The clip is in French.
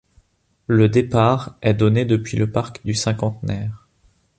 Le départ est donné depuis le parc du Cinquantenaire.